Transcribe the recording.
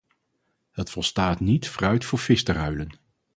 Het volstaat niet fruit voor vis te ruilen.